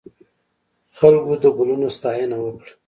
خلکو د ګلونو ستاینه وکړه.